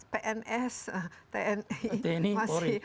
pns tni poori